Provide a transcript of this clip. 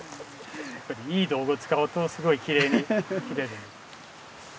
やっぱりいい道具を使うとすごくきれいに切れる。